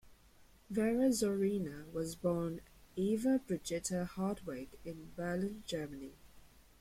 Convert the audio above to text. Vera Zorina was born Eva Brigitta Hartwig in Berlin, Germany.